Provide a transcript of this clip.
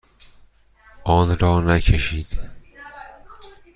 آن را نکشید.